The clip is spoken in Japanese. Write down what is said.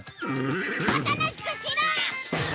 おとなしくしろ！